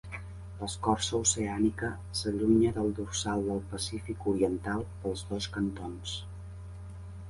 L'escorça oceànica s'allunya del Dorsal del Pacífic Oriental pels dos cantons.